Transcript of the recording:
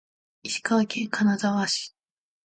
石川県金沢市